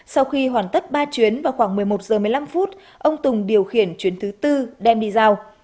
sau khi hoàn tất ba chuyến vào khoảng một mươi một h một mươi năm ông tùng điều khiển chuyến thứ tư đem đi giao